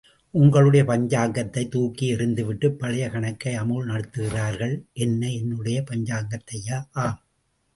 உங்களுடைய பஞ்சாங்கத்தைத் தூக்கி எறிந்துவிட்டுப் பழைய கணக்கை அமுல் நடத்துகிறார்கள். என்ன, என்னுடைய பஞ்சாங்கத்தையா? ஆம்!